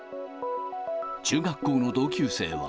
中学校の同級生は。